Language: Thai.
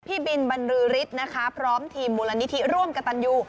พี่บินบรรลือฤทธิ์นะคะพร้อมทีมมูลนิธิร่วมกับตันยู